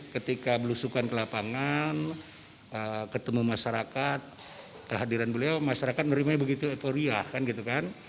ketika belusukan ke lapangan ketemu masyarakat kehadiran beliau masyarakat menerimanya begitu eporia kan gitu kan